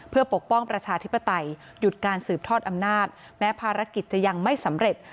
เพื่อปกป้องประชาธิปไตยหยุดการสืบทอดอำนาจแม้ภารกิจจะยังไม่สำเร็จ